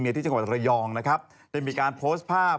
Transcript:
ที่จังหวัดระยองนะครับได้มีการโพสต์ภาพ